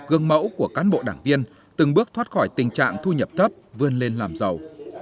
gương mẫu của cán bộ đảng viên từng bước thoát khỏi tình trạng thu nhập thấp vươn lên làm giàu